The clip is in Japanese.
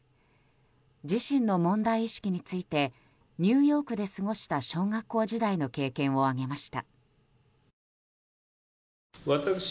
自身の問題意識についてニューヨークで過ごした小学校時代の経験を挙げました。